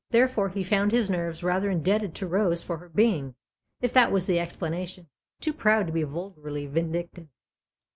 Therefore he found his nerves rather indebted to Rose for her being if that was the explanation too proud to be vulgarly vindictive.